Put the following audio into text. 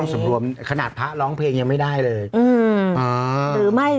ต้องสวมรวมขณะพระร้องเพลงยังไม่ได้เลยอือหรือไม่